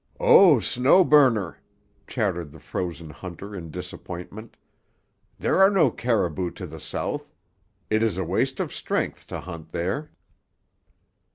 "Oh, Snow Burner!" chattered the frozen hunter in disappointment. "There are no caribou to the south. It is a waste of strength to hunt there."